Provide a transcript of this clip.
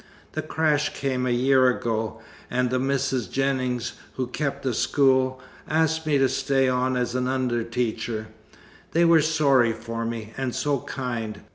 The crash came a year ago, and the Misses Jennings, who kept the school, asked me to stay on as an under teacher they were sorry for me, and so kind.